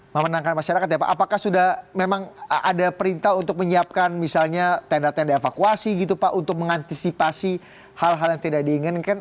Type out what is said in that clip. memenangkan masyarakat ya pak apakah sudah memang ada perintah untuk menyiapkan misalnya tenda tenda evakuasi gitu pak untuk mengantisipasi hal hal yang tidak diinginkan